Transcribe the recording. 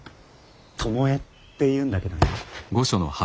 巴っていうんだけどね。